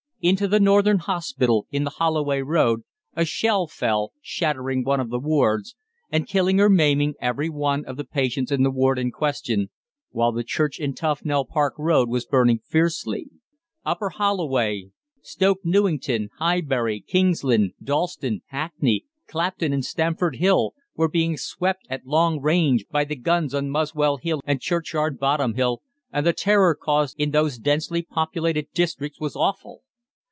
Into the Northern Hospital, in the Holloway Road, a shell fell, shattering one of the wards, and killing or maiming every one of the patients in the ward in question, while the church in Tufnell Park Road was burning fiercely. Upper Holloway, Stoke Newington, Highbury, Kingsland, Dalston, Hackney, Clapton, and Stamford Hill were being swept at long range by the guns on Muswell Hill and Churchyard Bottom Hill, and the terror caused in those densely populated districts was awful.